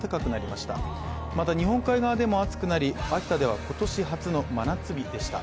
また、日本海側でも暑くなり秋田では今年初の真夏日でした。